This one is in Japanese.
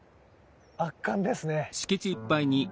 圧巻ですね。